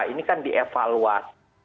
ini kan dievaluas